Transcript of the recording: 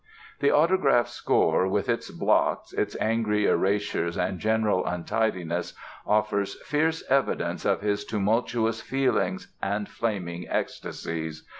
The autograph score, with its blots, its angry erasures and general untidiness, offers fierce evidence of his tumultuous feelings and flaming ecstasies.